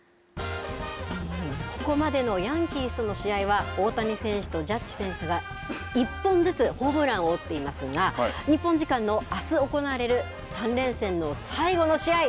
ここまでのヤンキースとの試合は大谷選手とジャッジ選手が１本ずつホームランを打っていますが日本時間のあす、行われる３連戦の最後の試合